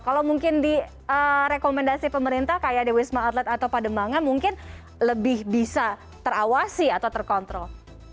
kalau mungkin di rekomendasi pemerintah seperti wisma athlete atau pak demangan mungkin lebih bisa terawasi atau terkontrol